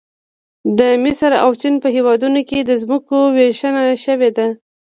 د مصر او چین په هېوادونو کې د ځمکو ویشنه شوې ده